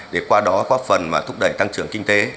để qua đó góp phần thúc đẩy tăng trưởng kinh tế